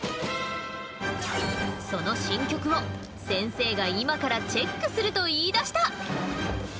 その新曲を先生が今からチェックすると言いだした。